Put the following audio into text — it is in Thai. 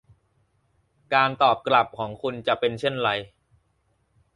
การตอบกลับของคุณจะเป็นเช่นไร